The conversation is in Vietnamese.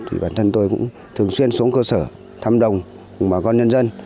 thì bản thân tôi cũng thường xuyên xuống cơ sở thăm đồng cùng bà con nhân dân